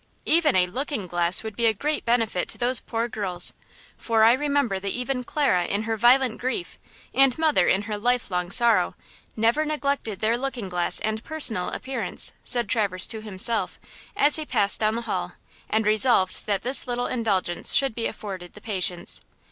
"Even a looking glass would be a great benefit to those poor girls, for I remember that even Clara, in her violent grief, and mother in her lifelong sorrow, never neglected their looking glass and personal appearance," said Traverse to himself, as he passed down the hall and resolved that this little indulgence should be afforded the patients.